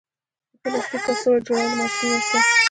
د پلاستیک کڅوړو جوړولو ماشینونه شته